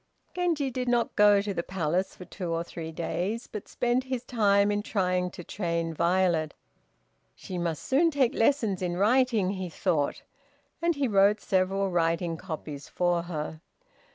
Genji did not go to the Palace for two or three days, but spent his time in trying to train Violet. "She must soon take lessons in writing," he thought, and he wrote several writing copies for her.